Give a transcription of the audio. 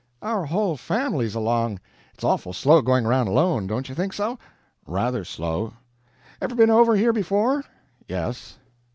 "Our whole family's along. It's awful slow, going around alone don't you think so?" "Rather slow." "Ever been over here before?" "Yes."